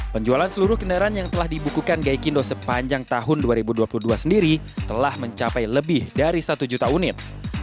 penjualan seluruh kendaraan yang telah dibukukan gaikindo sepanjang tahun dua ribu dua puluh dua sendiri telah mencapai lebih dari satu juta unit